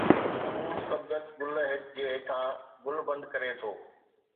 هو صبغت گل جي هيٺان گل بند ڪري ٿو